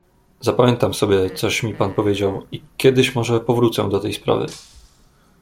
"Zapamiętam sobie, coś mi pan powiedział i kiedyś może powrócę do tej sprawy."